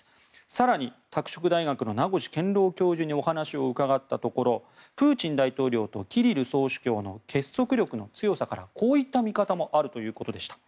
更に、拓殖大学の名越健郎教授にお話を伺ったところプーチン大統領とキリル総主教の結束力の強さからこういった見方もあるということでした。